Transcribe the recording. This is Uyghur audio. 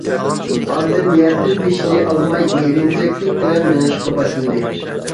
ئاندىن يەردىن بېشىنى ئالماي ئېرىنچەكلىك بىلەن مېڭىشقا باشلىدى.